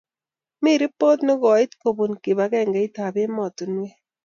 mi ripot ne koit kobun kibakengekenge ab ematunwek